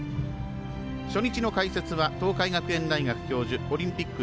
初日の解説は東海学園大学教授オリンピック